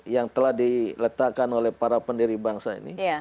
yang telah diletakkan oleh para pendiri bangsa ini